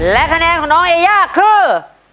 และคะแนนของน้องเอย่าคือ